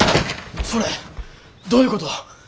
それどういうこと！？